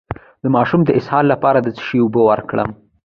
د ماشوم د اسهال لپاره د څه شي اوبه ورکړم؟